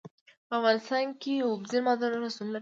په افغانستان کې اوبزین معدنونه شتون لري.